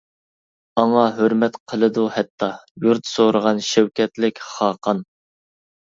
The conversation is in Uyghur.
ئاڭا ھۆرمەت قىلىدۇ ھەتتا، يۇرت سورىغان شەۋكەتلىك خاقان.